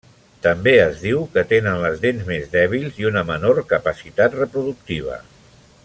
També es diu que tenen les dents més dèbils i una menor capacitat reproductiva.